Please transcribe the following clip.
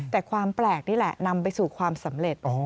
แต่ความแปลกนี่แหละนำไปสู่ความสำเร็จ